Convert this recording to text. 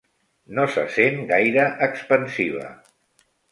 No se sent gaire expansiva.